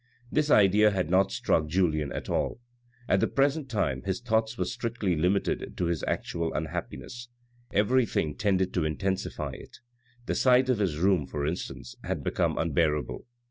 This idea had not struck Julien at all; at the present time his thoughts were strictly limited to his actual unhappiness. Everything tended to intensify it. The sight of his room, for instance, had become unbearable.